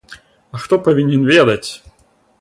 А хто павінен ведаць?